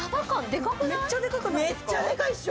めっちゃでかいっしょ。